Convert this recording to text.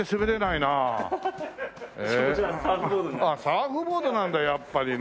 サーフボードなんだやっぱりね。